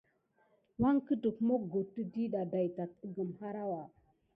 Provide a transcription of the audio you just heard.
Wangeken moggoktə diɗa day tat əgəm harawa.